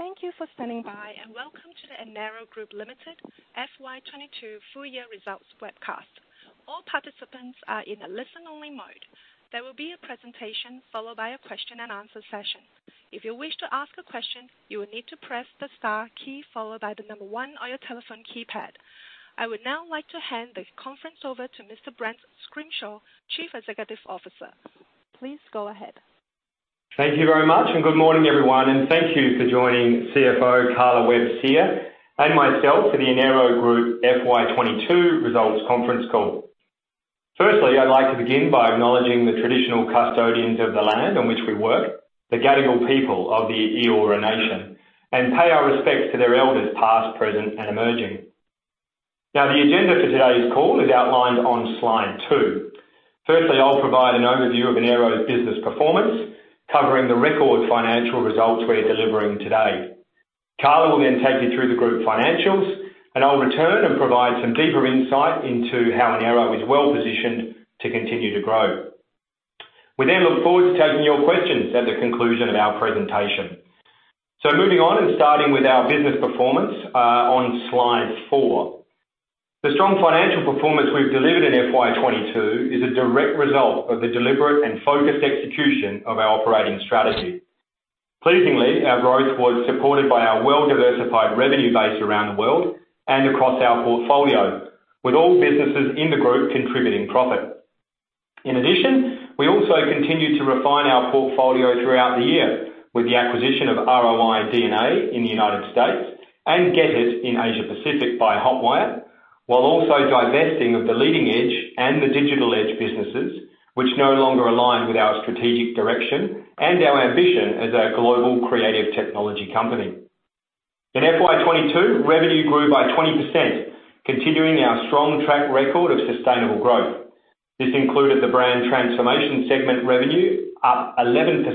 Thank you for standing by, and welcome to the Enero Group Limited FY 2022 Full Year Results Webcast. All participants are in a listen only mode. There will be a presentation followed by a question and answer session. If you wish to ask a question, you will need to press the star key followed by the number one on your telephone keypad. I would now like to hand the conference over to Mr. Brent Scrimshaw, Chief Executive Officer. Please go ahead. Thank you very much, and good morning everyone. Thank you for joining CFO Carla Webb here and myself for the Enero Group FY 2022 results conference call. Firstly, I'd like to begin by acknowledging the traditional custodians of the land on which we work, the Gadigal people of the Eora Nation, and pay our respects to their elders past, present, and emerging. Now, the agenda for today's call is outlined on slide two. Firstly, I'll provide an overview of Enero's business performance, covering the record financial results we're delivering today. Carla will then take you through the group financials, and I'll return and provide some deeper insight into how Enero is well-positioned to continue to grow. We then look forward to taking your questions at the conclusion of our presentation. Moving on and starting with our business performance, on slide four. The strong financial performance we've delivered in FY 2022 is a direct result of the deliberate and focused execution of our operating strategy. Pleasingly, our growth was supported by our well-diversified revenue base around the world and across our portfolio, with all businesses in the group contributing profit. In addition, we also continued to refine our portfolio throughout the year with the acquisition of ROI DNA in the United States and GetIT in Asia-Pacific via Hotwire, while also divesting of The Leading Edge and The Digital Edge businesses, which no longer align with our strategic direction and our ambition as a global creative technology company. In FY 2022, revenue grew by 20%, continuing our strong track record of sustainable growth. This included the brand transformation segment revenue up 11%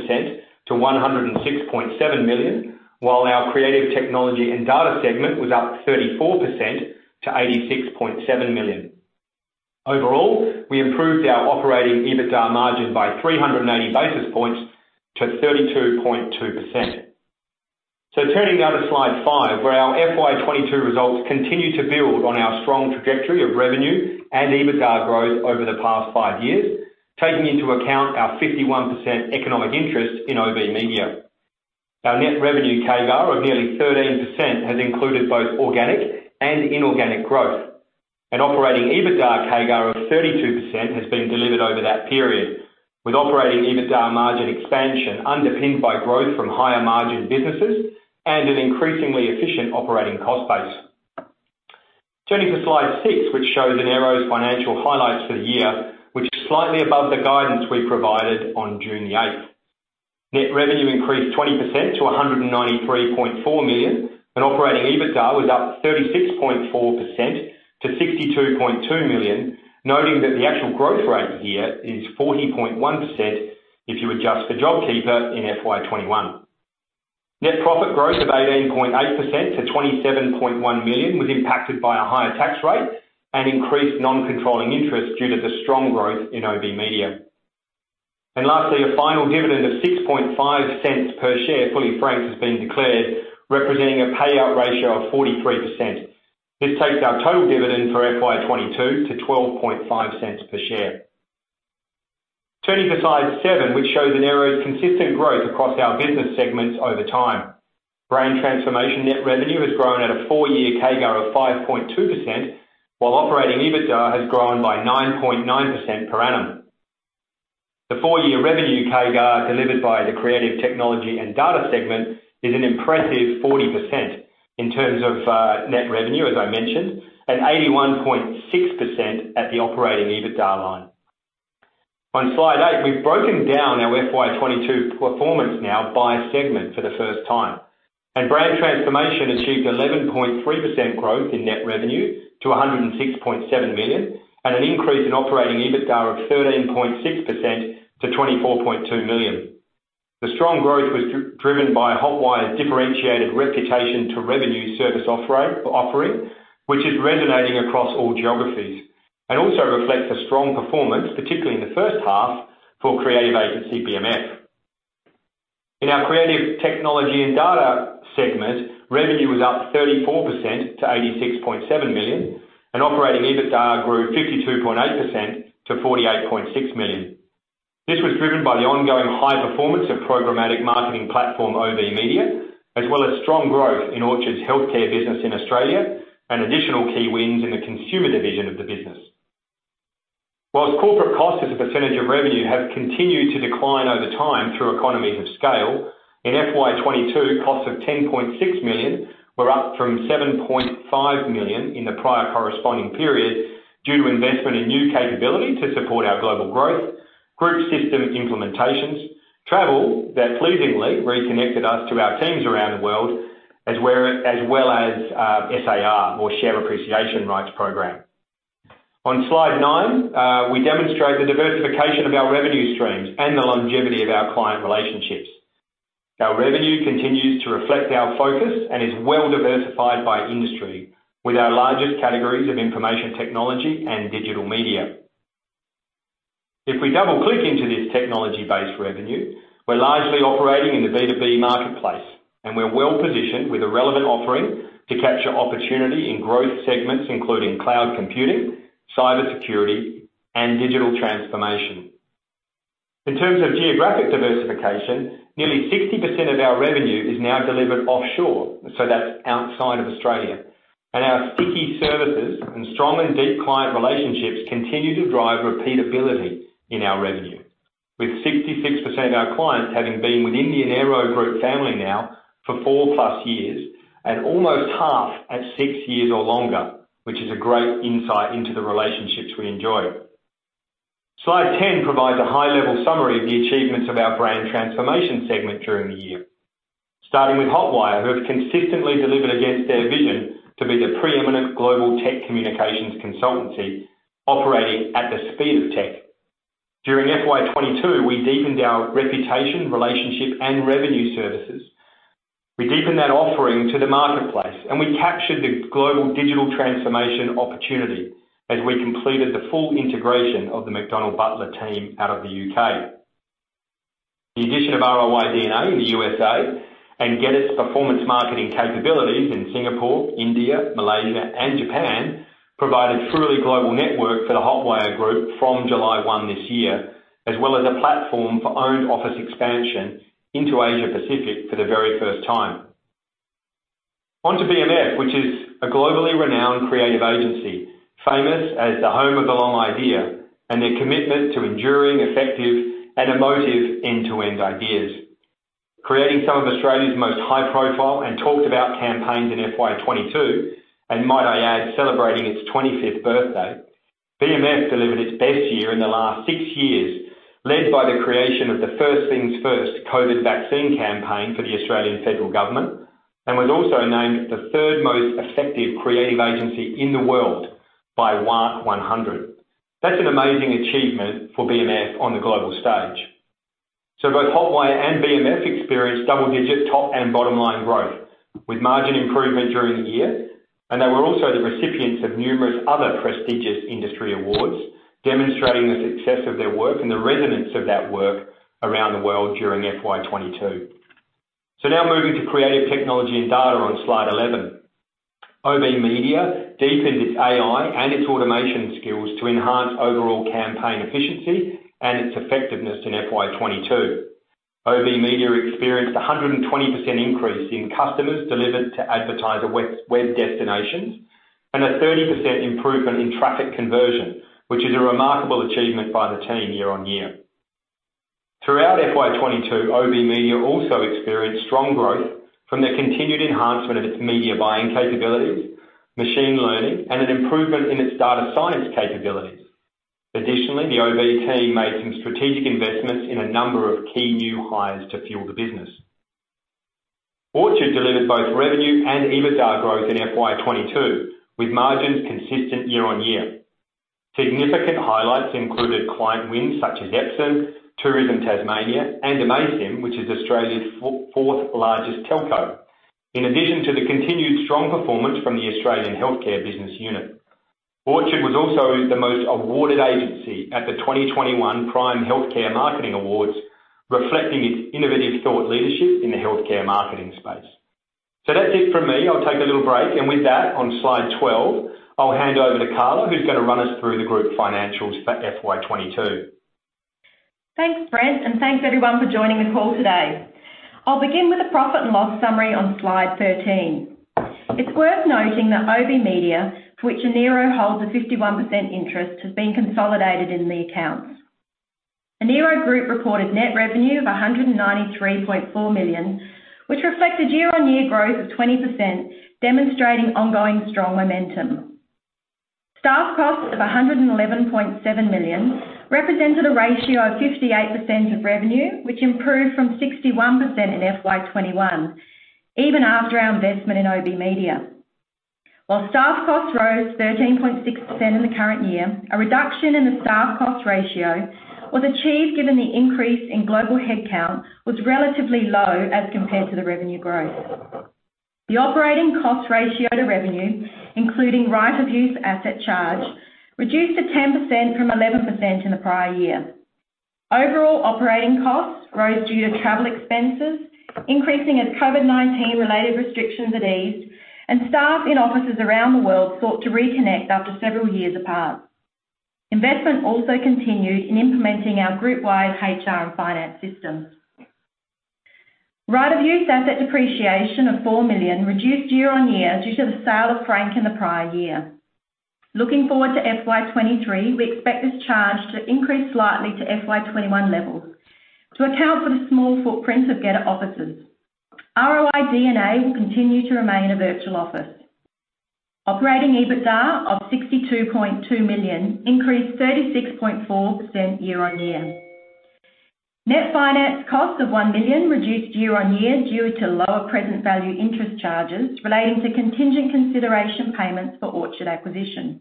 to 106.7 million, while our creative technology and data segment was up 34% to 86.7 million. Overall, we improved our operating EBITDA margin by 380 basis points to 32.2%. Turning now to slide five, where our FY 2022 results continue to build on our strong trajectory of revenue and EBITDA growth over the past five years, taking into account our 51% economic interest in OBMedia. Our net revenue CAGR of nearly 13% has included both organic and inorganic growth. An operating EBITDA CAGR of 32% has been delivered over that period, with operating EBITDA margin expansion underpinned by growth from higher margin businesses and an increasingly efficient operating cost base. Turning to slide six, which shows Enero's financial highlights for the year, which is slightly above the guidance we provided on June 8. Net revenue increased 20% to 193.4 million, and operating EBITDA was up 36.4% to 62.2 million, noting that the actual growth rate here is 14.1% if you adjust for JobKeeper in FY21. Net profit growth of 18.8% to 27.1 million was impacted by a higher tax rate and increased non-controlling interest due to the strong growth in OBMedia. Lastly, a final dividend of 0.065 per share fully franked has been declared, representing a payout ratio of 43%. This takes our total dividend for FY22 to 0.125 per share. Turning to slide seven, which shows Enero's consistent growth across our business segments over time. Brand transformation net revenue has grown at a four year CAGR of 5.2%, while operating EBITDA has grown by 9.9% per annum. The four year revenue CAGR delivered by the creative technology and data segment is an impressive 40% in terms of, net revenue, as I mentioned, and 81.6% at the operating EBITDA line. On slide eight, we've broken down our FY 2022 performance now by segment for the first time. Brand transformation achieved 11.3% growth in net revenue to 106.7 million and an increase in operating EBITDA of 13.6% to 24.2 million. The strong growth was driven by Hotwire's differentiated reputation-to-revenue service offering, which is resonating across all geographies and also reflects a strong performance, particularly in the first half for creative agency BMF. In our creative technology and data segment, revenue was up 34% to 86.7 million, and operating EBITDA grew 52.8% to 48.6 million. This was driven by the ongoing high performance of programmatic marketing platform OB Media, as well as strong growth in Orchard's healthcare business in Australia and additional key wins in the consumer division of the business. While corporate costs as a percentage of revenue have continued to decline over time through economies of scale, in FY 2022, costs of 10.6 million were up from 7.5 million in the prior corresponding period due to investment in new capability to support our global growth, group system implementations, travel that pleasingly reconnected us to our teams around the world, as well as SAR, or share appreciation rights program. On slide nine, we demonstrate the diversification of our revenue streams and the longevity of our client relationships. Our revenue continues to reflect our focus and is well diversified by industry with our largest categories of information technology and digital media. If we double-click into this technology-based revenue, we're largely operating in the B2B marketplace, and we're well-positioned with a relevant offering to capture opportunity in growth segments, including cloud computing, cyber security, and digital transformation. In terms of geographic diversification, nearly 60% of our revenue is now delivered offshore, so that's outside of Australia. Our sticky services and strong and deep client relationships continue to drive repeatability in our revenue. With 66% of our clients having been within the Enero Group family now for 4+ years and almost half at six years or longer, which is a great insight into the relationships we enjoy. Slide 10 provides a high-level summary of the achievements of our brand transformation segment during the year. Starting with Hotwire, who have consistently delivered against their vision to be the preeminent global tech communications consultancy operating at the speed of tech. During FY 22, we deepened our reputation, relationship, and revenue services. We deepened that offering to the marketplace, and we captured the global digital transformation opportunity as we completed the full integration of the McDonald Butler team out of the U.K. The addition of ROI DNA in the USA and GetIT's performance marketing capabilities in Singapore, India, Malaysia, and Japan provide a truly global network for the Hotwire Group from July 1 this year, as well as a platform for owned office expansion into Asia-Pacific for the very first time. Onto BMF, which is a globally renowned creative agency, famous as the home of the long idea and their commitment to enduring, effective, and emotive end-to-end ideas. Creating some of Australia's most high-profile and talked about campaigns in FY 22, and might I add, celebrating its 25th birthday. BMF delivered its best year in the last six years, led by the creation of the First Things First COVID vaccine campaign for the Australian Government, and was also named the third most effective creative agency in the world by WARC Creative 100. That's an amazing achievement for BMF on the global stage. Both Hotwire and BMF experienced double-digit top and bottom-line growth, with margin improvement during the year. They were also the recipients of numerous other prestigious industry awards, demonstrating the success of their work and the resonance of that work around the world during FY 22. Now moving to creative technology and data on slide 11. OBMedia deepened its AI and its automation skills to enhance overall campaign efficiency and its effectiveness in FY 22. OBMedia experienced a 120% increase in customers delivered to advertiser web destinations, and a 30% improvement in traffic conversion, which is a remarkable achievement by the team year-on-year. Throughout FY 22, OBMedia also experienced strong growth from the continued enhancement of its media buying capabilities, machine learning, and an improvement in its data science capabilities. Additionally, the OB team made some strategic investments in a number of key new hires to fuel the business. Orchard delivered both revenue and EBITDA growth in FY 22, with margins consistent year-on-year. Significant highlights included client wins such as Epson, Tourism Tasmania, and amaysim, which is Australia's fourth largest telco. In addition to the continued strong performance from the Australian healthcare business unit. Orchard was also the most awarded agency at the 2021 PRIME Awards, reflecting its innovative thought leadership in the healthcare marketing space. That's it from me. I'll take a little break. With that, on slide 12, I'll hand over to Carla, who's gonna run us through the group financials for FY 2022. Thanks, Brent, and thanks everyone for joining the call today. I'll begin with a profit and loss summary on slide 13. It's worth noting that OBMedia, for which Enero holds a 51% interest, has been consolidated in the accounts. Enero Group reported net revenue of 193.4 million, which reflected year-on-year growth of 20%, demonstrating ongoing strong momentum. Staff costs of 111.7 million represented a ratio of 58% of revenue, which improved from 61% in FY 2021, even after our investment in OBMedia. While staff costs rose 13.6% in the current year, a reduction in the staff cost ratio was achieved given the increase in global headcount was relatively low as compared to the revenue growth. The operating cost ratio to revenue, including right-of-use asset charge, reduced to 10% from 11% in the prior year. Overall operating costs rose due to travel expenses, increasing as COVID-19 related restrictions eased and staff in offices around the world sought to reconnect after several years apart. Investment also continued in implementing our group-wide HR and finance systems. Right-of-use asset depreciation of 4 million reduced year-on-year due to the sale of Frank in the prior year. Looking forward to FY 2023, we expect this charge to increase slightly to FY 2021 levels to account for the small footprint of GetIT offices. ROI DNA will continue to remain a virtual office. Operating EBITDA of 62.2 million increased 36.4% year-on-year. Net finance costs of 1 million reduced year-on-year due to lower present value interest charges relating to contingent consideration payments for Orchard acquisition.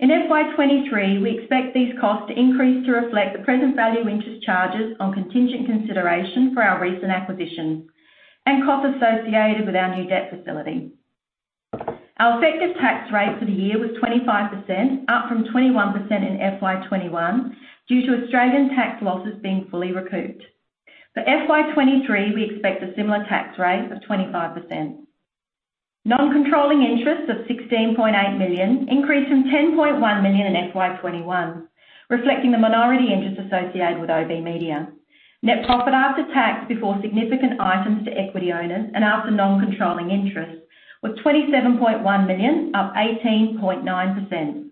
In FY 2023, we expect these costs to increase to reflect the present value interest charges on contingent consideration for our recent acquisitions and costs associated with our new debt facility. Our effective tax rate for the year was 25%, up from 21% in FY 2021 due to Australian tax losses being fully recouped. For FY 2023, we expect a similar tax rate of 25%. Non-controlling interests of 16.8 million increased from 10.1 million in FY 2021, reflecting the minority interest associated with OBMedia. Net profit after tax, before significant items to equity owners and after non-controlling interest was 27.1 million, up 18.9%.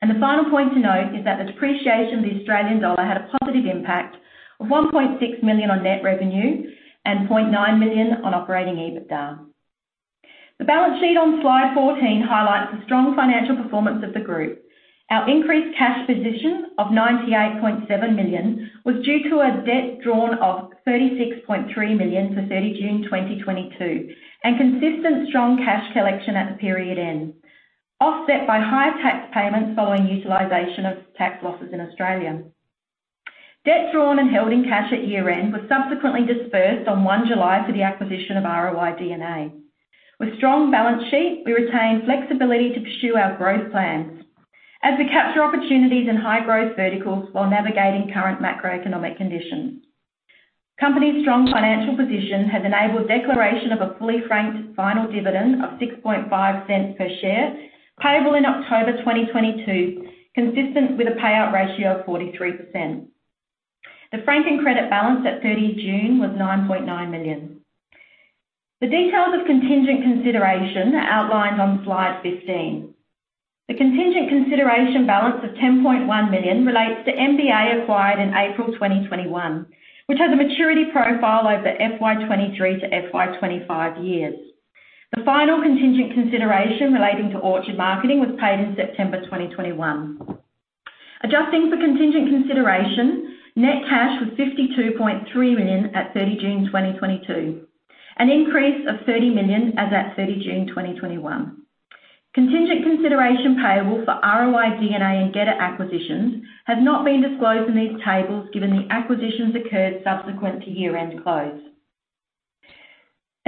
The final point to note is that the depreciation of the Australian dollar had a positive impact of 1.6 million on net revenue and 0.9 million on operating EBITDA. The balance sheet on slide 14 highlights the strong financial performance of the group. Our increased cash position of 98.7 million was due to a debt drawn of 36.3 million for 30 June 2022, and consistent strong cash collection at the period end, offset by higher tax payments following utilization of tax losses in Australia. Debt drawn and held in cash at year-end was subsequently dispersed on 1 July for the acquisition of ROI DNA. With strong balance sheet, we retain flexibility to pursue our growth plans as we capture opportunities in high-growth verticals while navigating current macroeconomic conditions. Company's strong financial position has enabled declaration of a fully franked final dividend of 0.065 per share, payable in October 2022, consistent with a payout ratio of 43%. The franking credit balance at 30 June was 9.9 million. The details of contingent consideration are outlined on slide 15. The contingent consideration balance of 10.1 million relates to MBA acquired in April 2021, which has a maturity profile over FY 2023-FY 2025 years. The final contingent consideration relating to Orchard Marketing was paid in September 2021. Adjusting for contingent consideration, net cash was 52.3 million at 30 June 2022, an increase of 30 million as at 30 June 2021. Contingent consideration payable for ROI DNA and GetIT acquisitions have not been disclosed in these tables, given the acquisitions occurred subsequent to year-end close.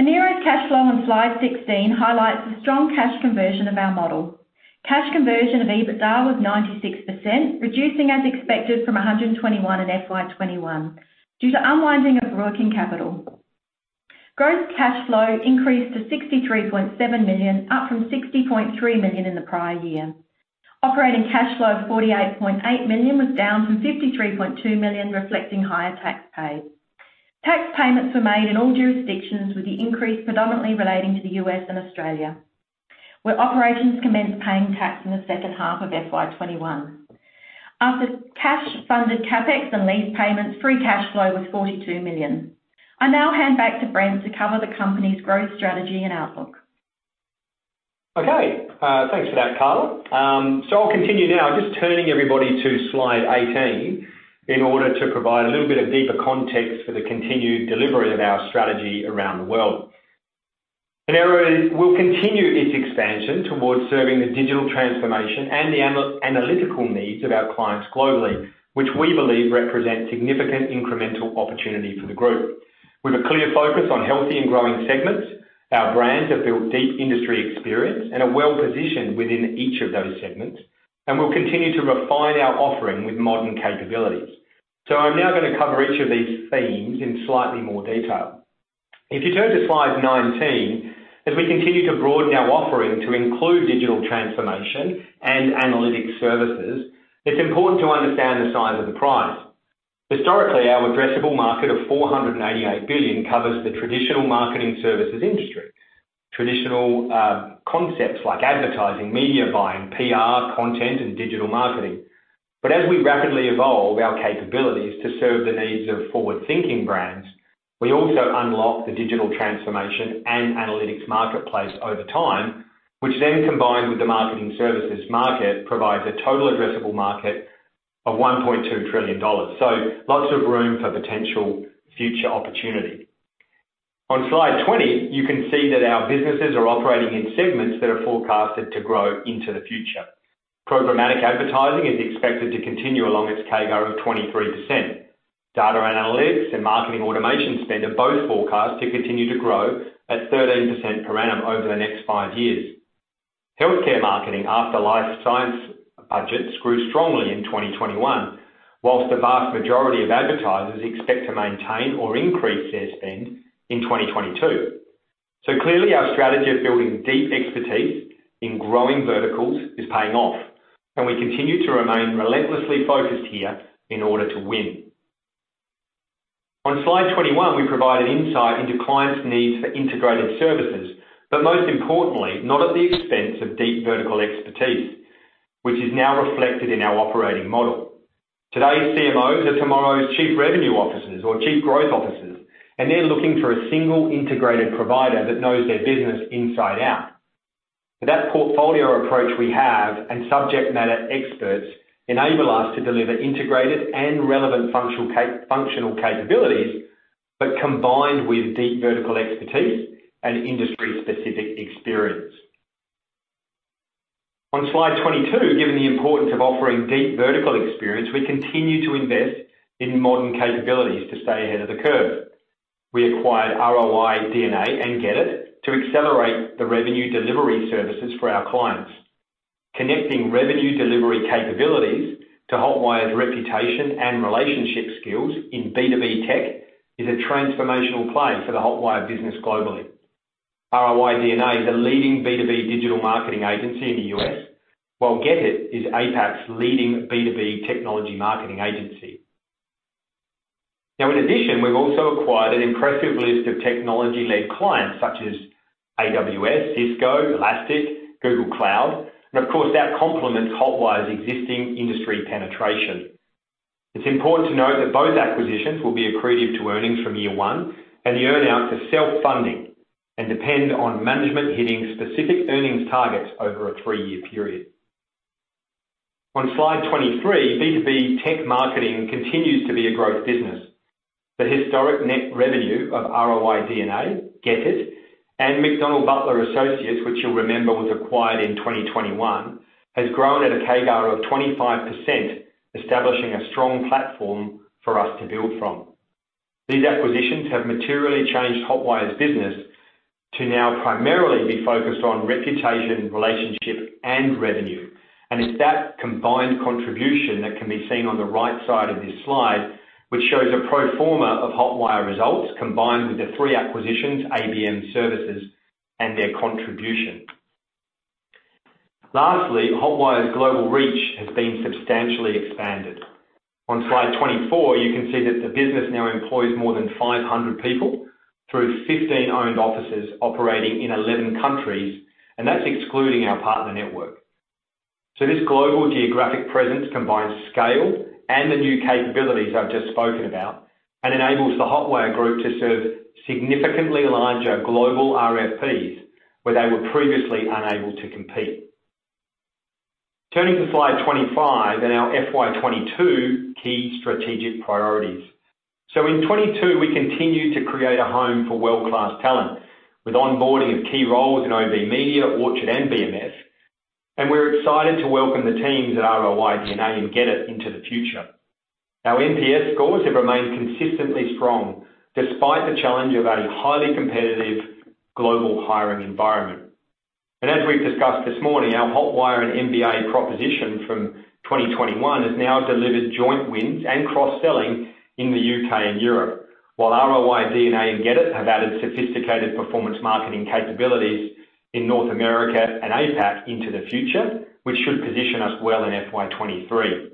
Enero's cash flow on slide 16 highlights the strong cash conversion of our model. Cash conversion of EBITDA was 96%, reducing as expected from 121 in FY 2021 due to unwinding of working capital. Gross cash flow increased to 63.7 million, up from 60.3 million in the prior year. Operating cash flow of 48.8 million was down from 53.2 million, reflecting higher tax paid. Tax payments were made in all jurisdictions, with the increase predominantly relating to the U.S. and Australia, where operations commenced paying tax in the second half of FY 2021. After cash-funded CapEx and lease payments, free cash flow was 42 million. I now hand back to Brent to cover the company's growth strategy and outlook. Thanks for that, Carla. I'll continue now. Just turning everybody to slide 18 in order to provide a little bit of deeper context for the continued delivery of our strategy around the world. Enero will continue its expansion towards serving the digital transformation and the analytical needs of our clients globally, which we believe represent significant incremental opportunity for the group. With a clear focus on healthy and growing segments, our brands have built deep industry experience and are well-positioned within each of those segments, and we'll continue to refine our offering with modern capabilities. I'm now gonna cover each of these themes in slightly more detail. If you turn to slide 19, as we continue to broaden our offering to include digital transformation and analytics services, it's important to understand the size of the prize. Historically, our addressable market of $488 billion covers the traditional marketing services industry. Traditional concepts like advertising, media buying, PR, content, and digital marketing. As we rapidly evolve our capabilities to serve the needs of forward-thinking brands, we also unlock the digital transformation and analytics marketplace over time, which then, combined with the marketing services market, provides a total addressable market of $1.2 trillion. Lots of room for potential future opportunity. On slide 20, you can see that our businesses are operating in segments that are forecasted to grow into the future. Programmatic advertising is expected to continue along its CAGR of 23%. Data analytics and marketing automation spend are both forecast to continue to grow at 13% per annum over the next five years. Healthcare marketing and life science budgets grew strongly in 2021, while the vast majority of advertisers expect to maintain or increase their spend in 2022. Clearly, our strategy of building deep expertise in growing verticals is paying off, and we continue to remain relentlessly focused here in order to win. On slide 21, we provide an insight into clients' needs for integrated services, but most importantly, not at the expense of deep vertical expertise, which is now reflected in our operating model. Today's CMOs are tomorrow's chief revenue officers or chief growth officers, and they're looking for a single integrated provider that knows their business inside out. That portfolio approach we have and subject matter experts enable us to deliver integrated and relevant functional capabilities, but combined with deep vertical expertise and industry-specific experience. On slide 22, given the importance of offering deep vertical experience, we continue to invest in modern capabilities to stay ahead of the curve. We acquired ROI DNA and GetIT to accelerate the revenue delivery services for our clients. Connecting revenue delivery capabilities to Hotwire's reputation and relationship skills in B2B tech is a transformational play for the Hotwire business globally. ROI DNA is a leading B2B digital marketing agency in the U.S., while GetIT is APAC's leading B2B technology marketing agency. Now in addition, we've also acquired an impressive list of technology-led clients such as AWS, Cisco, Elastic, Google Cloud, and of course, that complements Hotwire's existing industry penetration. It's important to note that both acquisitions will be accretive to earnings from year one and the earn-out is self-funding and depend on management hitting specific earnings targets over a three year period. On slide 23, B2B tech marketing continues to be a growth business. The historic net revenue of ROI DNA, GetIT, and McDonald Butler Associates, which you'll remember was acquired in 2021, has grown at a CAGR of 25%, establishing a strong platform for us to build from. These acquisitions have materially changed Hotwire's business to now primarily be focused on reputation, relationship, and revenue. It's that combined contribution that can be seen on the right side of this slide, which shows a pro forma of Hotwire results combined with the three acquisitions, ABM services, and their contribution. Lastly, Hotwire's global reach has been substantially expanded. On slide 24, you can see that the business now employs more than 500 people through 15 owned offices operating in 11 countries, and that's excluding our partner network. This global geographic presence combines scale and the new capabilities I've just spoken about and enables the Hotwire group to serve significantly larger global RFPs where they were previously unable to compete. Turning to slide 25 and our FY 2022 key strategic priorities. In 2022 we continued to create a home for world-class talent with onboarding of key roles in OBMedia, Orchard, and BMF. We're excited to welcome the teams at ROI DNA and GetIT into the future. Our NPS scores have remained consistently strong despite the challenge of a highly competitive global hiring environment. As we've discussed this morning, our Hotwire and MBA proposition from 2021 has now delivered joint wins and cross-selling in the UK and Europe. While ROI DNA and GetIT have added sophisticated performance marketing capabilities in North America and APAC into the future, which should position us well in FY 2023.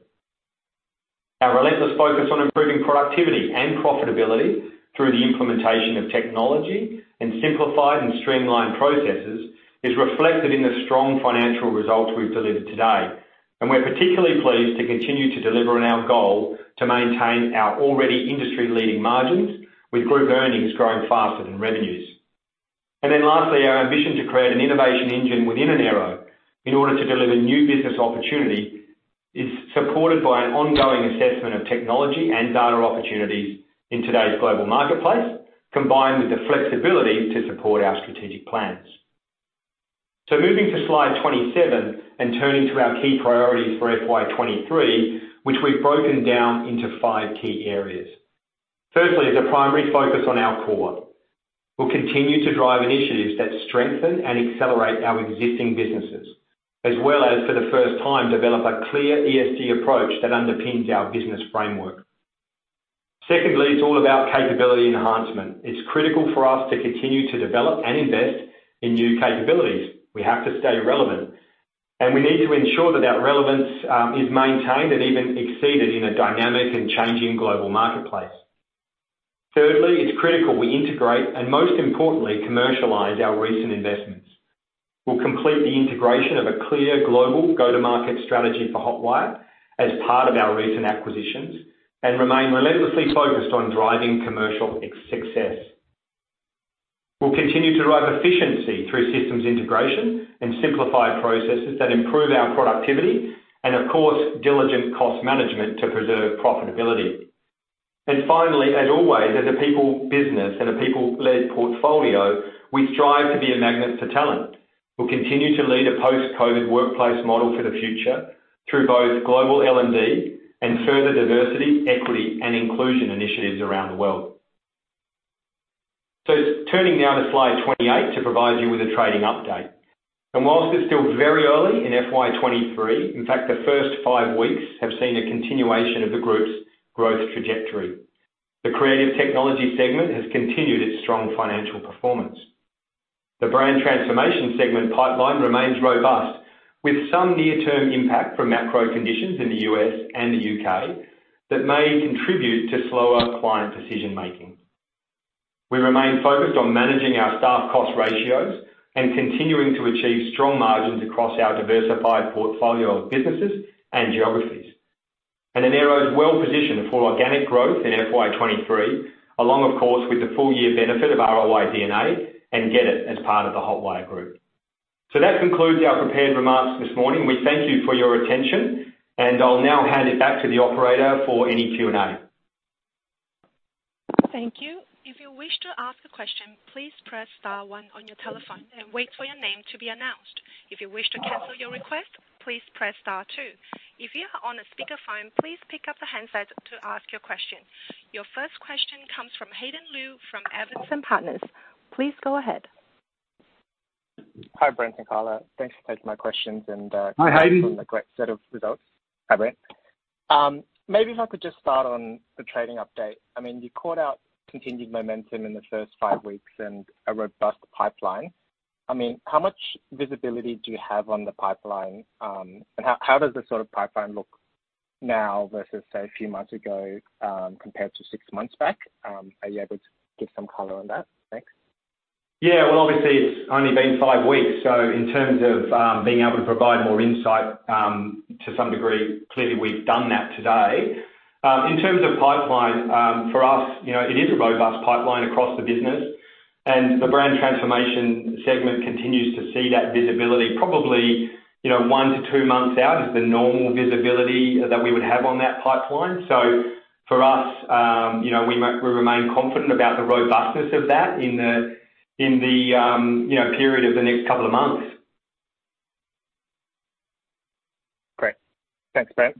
Our relentless focus on improving productivity and profitability through the implementation of technology and simplified and streamlined processes is reflected in the strong financial results we've delivered today. We're particularly pleased to continue to deliver on our goal to maintain our already industry-leading margins with group earnings growing faster than revenues. Lastly, our ambition to create an innovation engine within Enero in order to deliver new business opportunity is supported by an ongoing assessment of technology and data opportunities in today's global marketplace, combined with the flexibility to support our strategic plans. Moving to slide 27 and turning to our key priorities for FY 2023, which we've broken down into five key areas. Firstly, is a primary focus on our core. We'll continue to drive initiatives that strengthen and accelerate our existing businesses, as well as for the first time, develop a clear ESG approach that underpins our business framework. Secondly, it's all about capability enhancement. It's critical for us to continue to develop and invest in new capabilities. We have to stay relevant, and we need to ensure that that relevance, is maintained and even exceeded in a dynamic and changing global marketplace. Thirdly, it's critical we integrate and most importantly commercialize our recent investments. We'll complete the integration of a clear global go-to-market strategy for Hotwire as part of our recent acquisitions and remain relentlessly focused on driving commercial success. We'll continue to drive efficiency through systems integration and simplify processes that improve our productivity and of course, diligent cost management to preserve profitability. Finally, as always, as a people business and a people-led portfolio, we strive to be a magnet for talent. We'll continue to lead a post-COVID workplace model for the future through both global L&D and further diversity, equity, and inclusion initiatives around the world. Turning now to slide 28 to provide you with a trading update. While it's still very early in FY 2023, in fact, the first five weeks have seen a continuation of the group's growth trajectory. The creative technology segment has continued its strong financial performance. The brand transformation segment pipeline remains robust with some near-term impact from macro conditions in the U.S. and the U.K. that may contribute to slower client decision-making. We remain focused on managing our staff cost ratios and continuing to achieve strong margins across our diversified portfolio of businesses and geographies. Enero is well positioned for organic growth in FY 2023 along, of course, with the full year benefit of ROI DNA and GetIT as part of the Hotwire group. That concludes our prepared remarks this morning. We thank you for your attention, and I'll now hand it back to the operator for any Q&A. Thank you. If you wish to ask a question, please press star one on your telephone and wait for your name to be announced. If you wish to cancel your request, please press star two. If you are on a speakerphone, please pick up the handset to ask your question. Your first question comes from Hayden Lieu from Evans and Partners. Please go ahead. Hi, Brent and Carla. Thanks for taking my questions, and Hi, Hayden. Congratulations on the great set of results. Hi, Brent. Maybe if I could just start on the trading update. I mean, you called out continued momentum in the first five weeks and a robust pipeline. I mean, how much visibility do you have on the pipeline, and how does this sort of pipeline look now versus, say, a few months ago, compared to six months back? Are you able to give some color on that? Thanks. Yeah. Well, obviously, it's only been five weeks, so in terms of being able to provide more insight to some degree, clearly we've done that today. In terms of pipeline, for us, you know, it is a robust pipeline across the business, and the brand transformation segment continues to see that visibility. Probably, you know, one to two months out is the normal visibility that we would have on that pipeline. For us, you know, we remain confident about the robustness of that in the period of the next couple of months. Great. Thanks, Brent.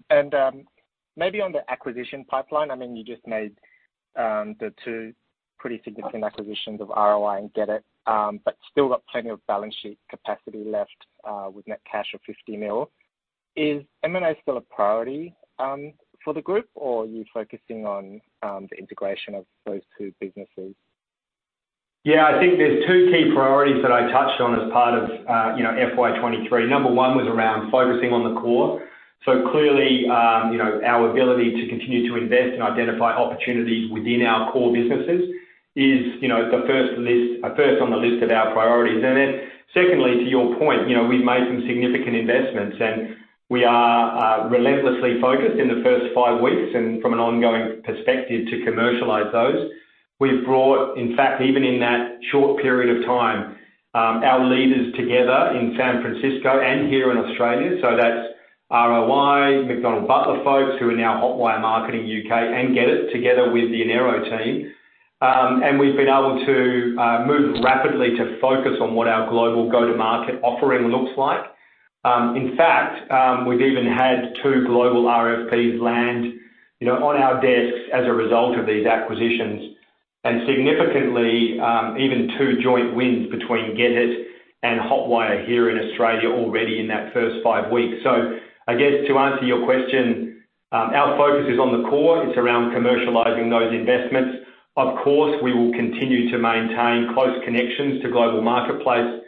Maybe on the acquisition pipeline, I mean, you just made the two pretty significant acquisitions of ROI and GetIT, but still got plenty of balance sheet capacity left, with net cash of 50 million. Is M&A still a priority for the group, or are you focusing on the integration of those two businesses? Yeah, I think there's two key priorities that I touched on as part of, you know, FY 2023. Number one was around focusing on the core. Clearly, you know, our ability to continue to invest and identify opportunities within our core businesses is, you know, first on the list of our priorities. Then secondly, to your point, you know, we've made some significant investments, and we are relentlessly focused in the first five weeks and from an ongoing perspective to commercialize those. We've brought, in fact, even in that short period of time, our leaders together in San Francisco and here in Australia, so that's ROI, McDonald Butler folks who are now Hotwire marketing UK, and GetIT together with the Enero team. We've been able to move rapidly to focus on what our global go-to-market offering looks like. In fact, we've even had two global RFPs land, you know, on our desks as a result of these acquisitions, and significantly, even two joint wins between GetIT and Hotwire here in Australia already in that first five weeks. I guess to answer your question, our focus is on the core. It's around commercializing those investments. Of course, we will continue to maintain close connections to global marketplace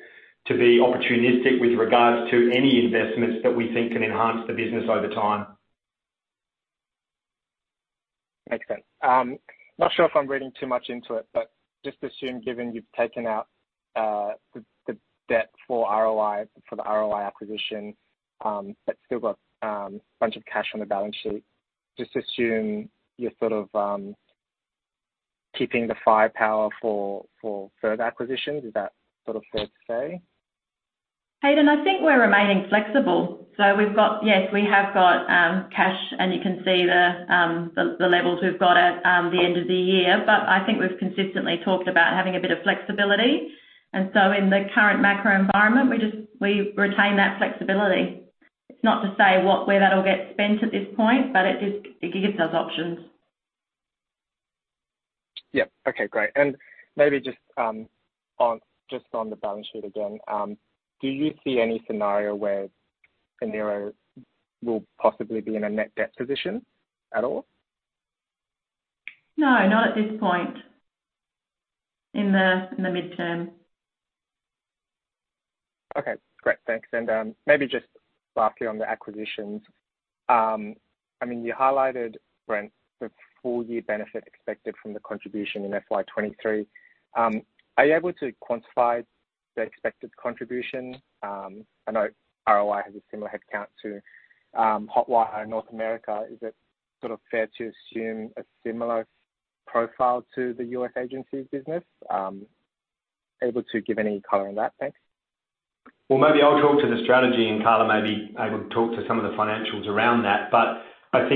to be opportunistic with regards to any investments that we think can enhance the business over time. Makes sense. Not sure if I'm reading too much into it, but just assume, given you've taken out the debt for ROI, for the ROI acquisition, but still got a bunch of cash on the balance sheet, just assume you're sort of keeping the firepower for further acquisitions. Is that sort of fair to say? Hayden, I think we're remaining flexible. We've got cash, and you can see the levels we've got at the end of the year. I think we've consistently talked about having a bit of flexibility. In the current macro environment, we retain that flexibility. It's not to say where that'll get spent at this point, but it just gives us options. Yeah. Okay, great. Maybe just on the balance sheet again, do you see any scenario where Enero will possibly be in a net debt position at all? No, not at this point in the midterm. Okay, great. Thanks. Maybe just lastly on the acquisitions. I mean, you highlighted, Brent, the full year benefit expected from the contribution in FY 2023. Are you able to quantify the expected contribution? I know ROI has a similar headcount to Hotwire North America. Is it sort of fair to assume a similar profile to the U.S. agencies business? Able to give any color on that? Thanks. Well, maybe I'll talk to the strategy, and Carla may be able to talk to some of the financials around that. But both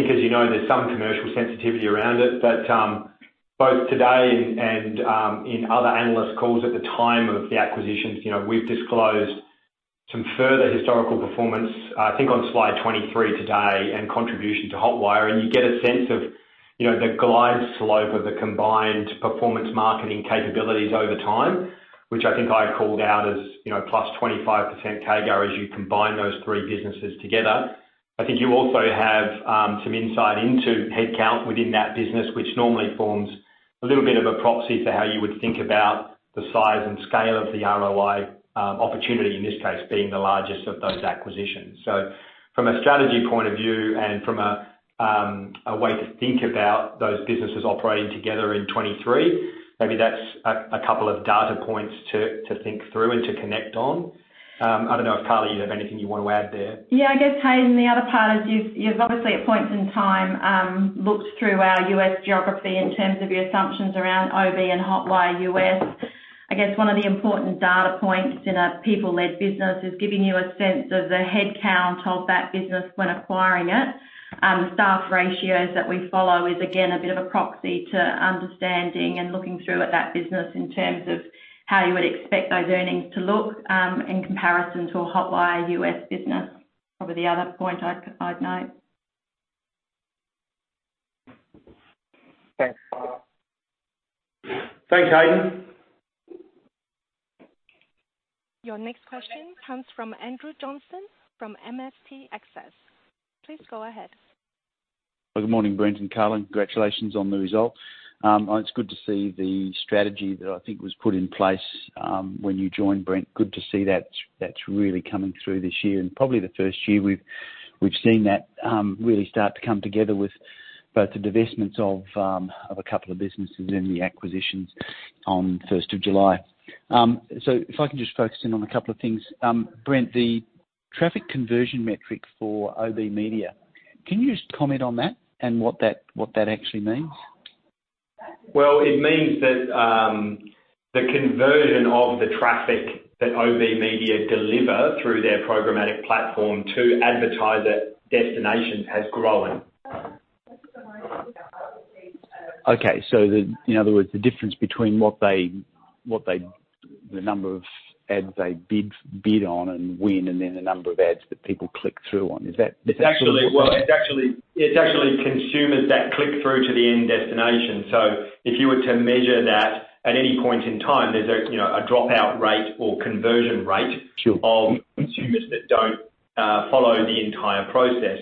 today and in other analyst calls at the time of the acquisitions, you know, we've disclosed some further historical performance, I think on slide 23 today, and contribution to Hotwire. You get a sense of, you know, the glide slope of the combined performance marketing capabilities over time, which I think I called out as, you know, plus 25% CAGR as you combine those three businesses together. I think you also have some insight into headcount within that business, which normally forms a little bit of a proxy for how you would think about the size and scale of the ROI opportunity, in this case being the largest of those acquisitions. From a strategy point of view and from a way to think about those businesses operating together in 2023, maybe that's a couple of data points to think through and to connect on. I don't know if, Carla, you have anything you want to add there. Yeah, I guess, Hayden, the other part is you've obviously at points in time looked through our US geography in terms of your assumptions around OB and Hotwire US. I guess one of the important data points in a people-led business is giving you a sense of the headcount of that business when acquiring it. Staff ratios that we follow is again a bit of a proxy to understanding and looking through at that business in terms of how you would expect those earnings to look in comparison to a Hotwire US business. Probably the other point I'd note. Thanks. Thanks, Hayden. Your next question comes from Andrew Johnston from MST Access. Please go ahead. Good morning, Brent and Carla. Congratulations on the result. It's good to see the strategy that I think was put in place when you joined, Brent. Good to see that's really coming through this year, and probably the first year we've seen that really start to come together with both the divestments of a couple of businesses and the acquisitions on the first of July. So if I can just focus in on a couple of things. Brent, the traffic conversion metric for OBMedia. Can you just comment on that and what that actually means? Well, it means that, the conversion of the traffic that OBMedia deliver through their programmatic platform to advertise at destinations has grown. In other words, the difference between the number of ads they bid on and win, and then the number of ads that people click through on. Is that sort of what? It's actually consumers that click through to the end destination. If you were to measure that at any point in time, there's a you know dropout rate or conversion rate. Sure of consumers that don't follow the entire process.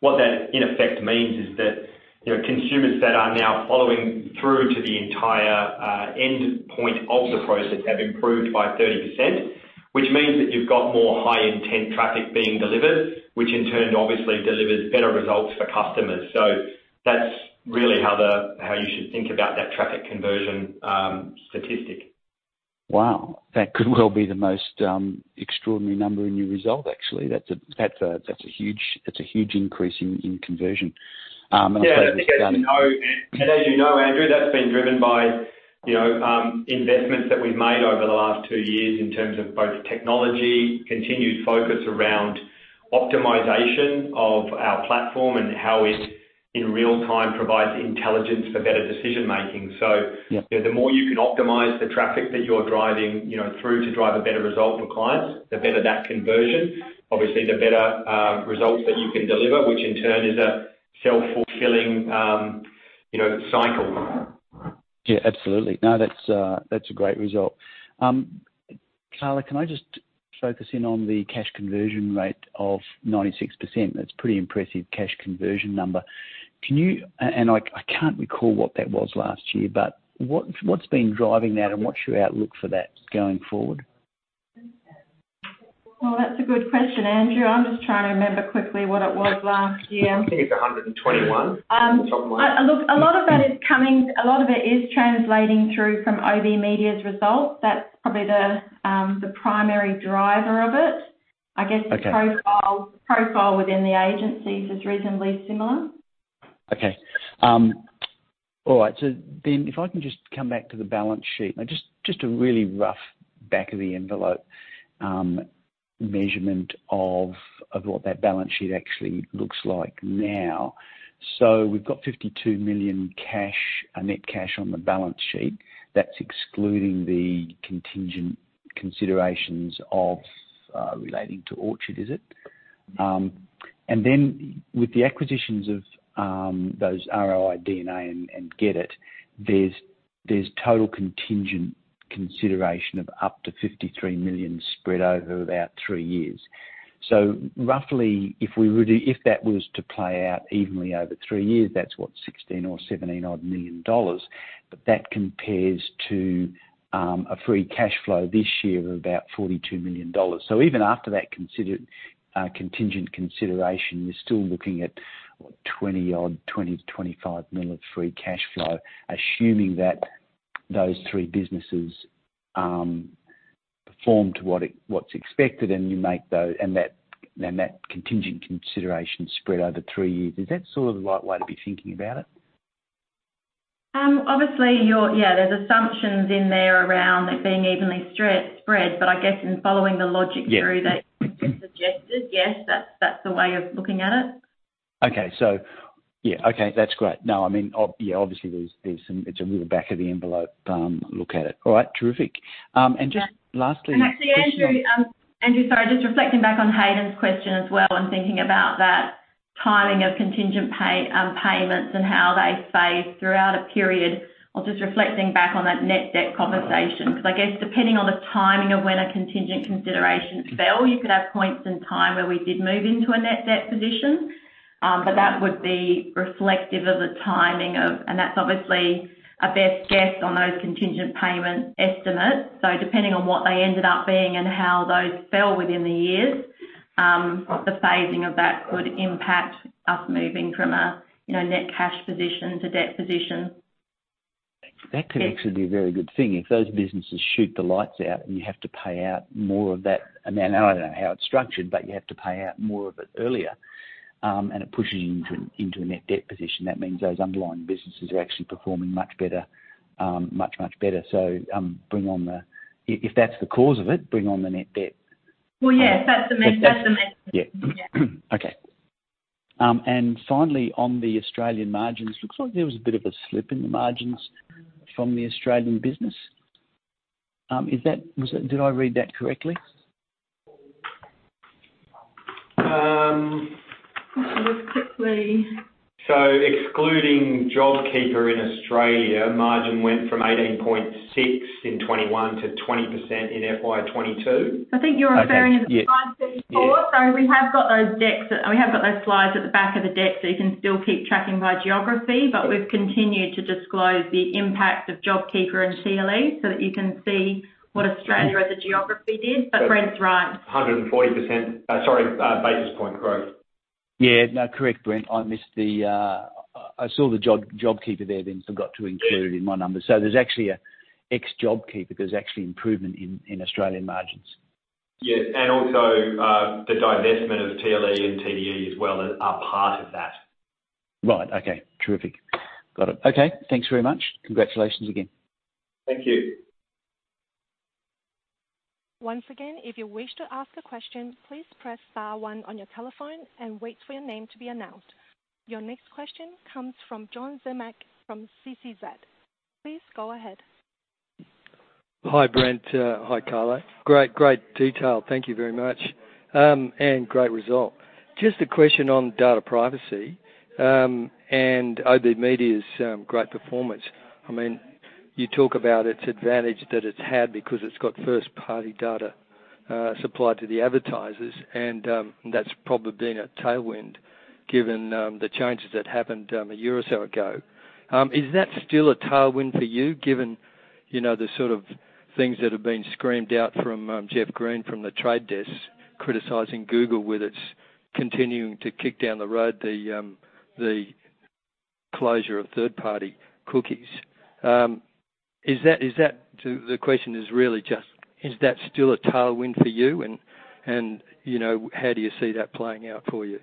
What that in effect means is that, you know, consumers that are now following through to the entire end point of the process have improved by 30%, which means that you've got more high-intent traffic being delivered, which in turn obviously delivers better results for customers. That's really how you should think about that traffic conversion statistic. Wow. That could well be the most extraordinary number in your result, actually. That's a huge increase in conversion. I'm sure that's done. Yeah. As you know, Andrew, that's been driven by, you know, investments that we've made over the last two years in terms of both technology, continued focus around optimization of our platform and how it, in real time, provides intelligence for better decision-making. Yeah the more you can optimize the traffic that you're driving, you know, through to drive a better result for clients, the better that conversion. Obviously, the better results that you can deliver, which in turn is a self-fulfilling, you know, cycle. Yeah, absolutely. No, that's a great result. Carla, can I just focus in on the cash conversion rate of 96%? That's pretty impressive cash conversion number. I can't recall what that was last year, but what's been driving that, and what's your outlook for that going forward? Well, that's a good question, Andrew. I'm just trying to remember quickly what it was last year. I think it's 121. Something like that. Look, a lot of it is translating through from OBMedia's results. That's probably the primary driver of it. Okay. I guess the profile within the agencies is reasonably similar. Okay. All right. If I can just come back to the balance sheet. Now, just a really rough back-of-the-envelope measurement of what that balance sheet actually looks like now. We've got 52 million cash, net cash on the balance sheet. That's excluding the contingent considerations relating to Orchard, is it? With the acquisitions of those ROI DNA and GetIT, there's total contingent consideration of up to 53 million spread over about three years. Roughly, if that was to play out evenly over three years, that's what? 16 million or 17 million dollars odd. But that compares to a free cash flow this year of about 42 million dollars. Even after that contingent consideration, you're still looking at what? 20-odd, 20-25 million of free cash flow, assuming that those three businesses perform to what's expected and you make those and that contingent consideration spread over three years. Is that sort of the right way to be thinking about it? Obviously, there're assumptions in there around it being evenly spread, but I guess in following the logic through. Yeah that you've suggested, yes. That's the way of looking at it. Okay. Yeah, okay, that's great. No, I mean yeah. Obviously, there's some—it's a real back-of-the-envelope look at it. All right. Terrific. Just lastly- Actually, Yeah Andrew, sorry, just reflecting back on Hayden's question as well and thinking about that timing of contingent payments and how they phase throughout a period, just reflecting back on that net debt conversation. Because I guess depending on the timing of when a contingent consideration fell, you could have points in time where we did move into a net debt position. That would be reflective of the timing. That's obviously a best guess on those contingent payment estimates. Depending on what they ended up being and how those fell within the years, the phasing of that could impact us moving from a, you know, net cash position to debt position. That could actually be a very good thing. If those businesses shoot the lights out, and you have to pay out more of that amount. I don't know how it's structured, but you have to pay out more of it earlier. It pushes you into a net debt position. That means those underlying businesses are actually performing much better, much better. If that's the cause of it, bring on the net debt. Well, yes, that's the main thing. Yeah. Okay. Finally, on the Australian margins, looks like there was a bit of a slip in the margins from the Australian business. Did I read that correctly? Just quickly. Excluding JobKeeper in Australia, margin went from 18.6% in 2021 to 20% in FY 2022. I think you're referring to. Okay. Yeah. Slide 54. Yeah. We have got those decks. We have got those slides at the back of the deck, so you can still keep tracking by geography. We've continued to disclose the impact of JobKeeper and TLE so that you can see what Australia as a geography did. Brent's right. 140 basis point growth. Yeah. No, correct, Brent. I saw the JobKeeper there, then forgot to include it in my numbers. There's actually an ex-JobKeeper. There's actually improvement in Australian margins. Yes, also, the divestment of TLE and TDE as well are part of that. Right. Okay. Terrific. Got it. Okay. Thanks very much. Congratulations again. Thank you. Once again, if you wish to ask a question, please press star one on your telephone and wait for your name to be announced. Your next question comes from John Zemek from CCZ. Please go ahead. Hi, Brent. Hi, Carla. Great detail. Thank you very much. Great result. Just a question on data privacy and OBMedia's great performance. I mean, you talk about its advantage that it's had because it's got first-party data supplied to the advertisers and that's probably been a tailwind given the changes that happened a year or so ago. Is that still a tailwind for you given you know the sort of things that have been screamed out from Jeff Green from The Trade Desk criticizing Google with its continuing to kick down the road the closure of third-party cookies? Is that? The question is really just is that still a tailwind for you and you know how do you see that playing out for you?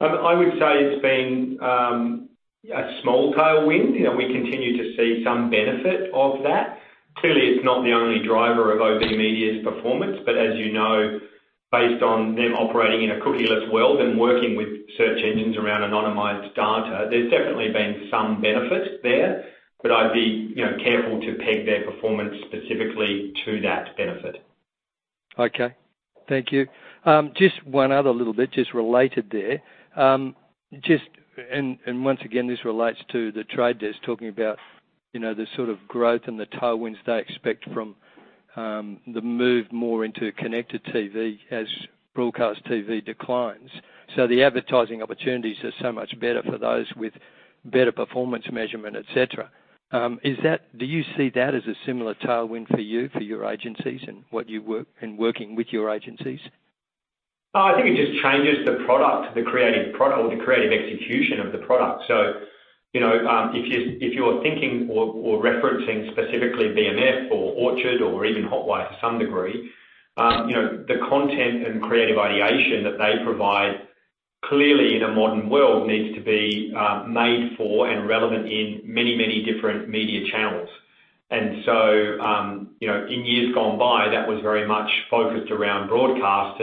I would say it's been a small tailwind. You know, we continue to see some benefit of that. Clearly, it's not the only driver of OBMedia's performance, but as you know, based on them operating in a cookieless world and working with search engines around anonymized data, there's definitely been some benefit there. But I'd be, you know, careful to peg their performance specifically to that benefit. Okay. Thank you. Just one other little bit, just related there. Once again, this relates to The Trade Desk talking about, you know, the sort of growth and the tailwinds they expect from the move more into Connected TV as broadcast TV declines. The advertising opportunities are so much better for those with better performance measurement, etc. Do you see that as a similar tailwind for you, for your agencies and in working with your agencies? I think it just changes the product, the creative product or the creative execution of the product. You know, if you're thinking or referencing specifically BMF or Orchard or even Hotwire to some degree, you know, the content and creative ideation that they provide clearly in a modern world needs to be made for and relevant in many, many different media channels. You know, in years gone by, that was very much focused around broadcast.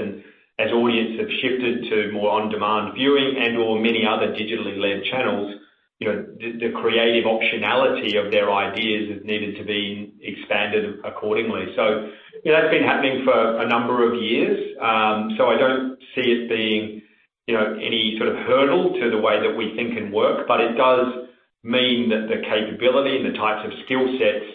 As audience have shifted to more on-demand viewing and/or many other digitally led channels, you know, the creative optionality of their ideas has needed to be expanded accordingly. You know, that's been happening for a number of years. I don't see it being, you know, any sort of hurdle to the way that we think and work, but it does mean that the capability and the types of skill sets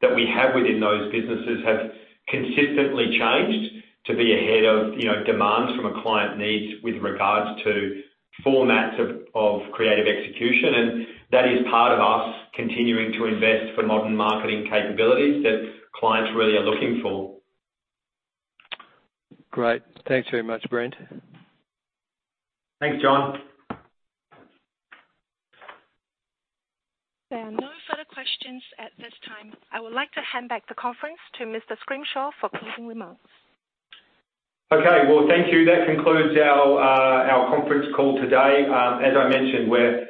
that we have within those businesses have consistently changed to be ahead of, you know, demands from a client needs with regards to formats of creative execution, and that is part of us continuing to invest for modern marketing capabilities that clients really are looking for. Great. Thanks very much, Brent. Thanks, John. There are no further questions at this time. I would like to hand back the conference to Mr. Scrimshaw for closing remarks. Okay. Well, thank you. That concludes our conference call today. As I mentioned, we're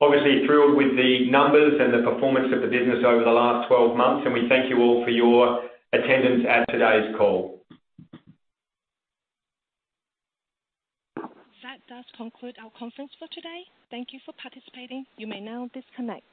obviously thrilled with the numbers and the performance of the business over the last 12 months, and we thank you all for your attendance at today's call. That does conclude our conference for today. Thank you for participating. You may now disconnect.